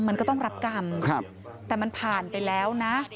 มันก็ต้องรับกรรมแต่มันผ่านไปแล้วนะ